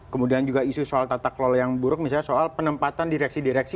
kemudian juga isu soal tata kelola yang buruk misalnya soal penempatan direksi direksi